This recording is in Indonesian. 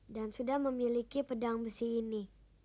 dan sudah memiliki pedang besi ini